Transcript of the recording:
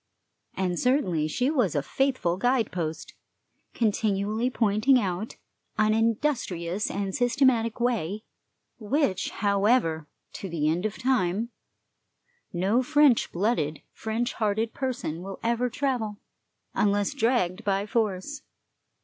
And certainly she was a faithful guide post, continually pointing out an industrious and systematic way, which, however, to the end of time, no French blooded, French hearted person will ever travel, unless dragged by force.